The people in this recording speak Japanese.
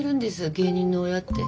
芸人の親って。